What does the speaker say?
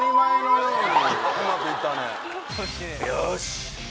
よし！